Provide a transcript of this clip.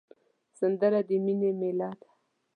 سندره د مینې میله ده